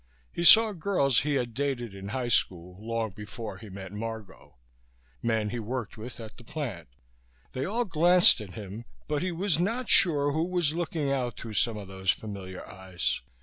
He saw girls he had dated in high school, long before he met Margot; men he worked with at the plant. They all glanced at him, but he was not sure who was looking out through some of those familiar eyes.